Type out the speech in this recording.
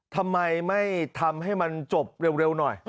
ทำไมไม่ทำให้มันจบเร็วหน่อย